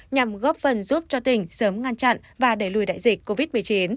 nhằm góp phần giúp cho tỉnh sớm ngăn chặn và đẩy lùi đại dịch covid một mươi chín